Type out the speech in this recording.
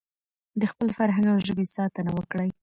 د خپل فرهنګ او ژبې ساتنه وکړئ.